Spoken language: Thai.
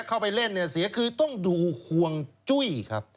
เข้าไปเล่นเนี่ยเสียคือต้องดูห่วงจุ้ยครับ